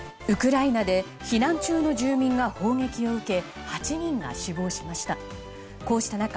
ウクライナで避難中の住民が砲撃を受け８人が死亡しました。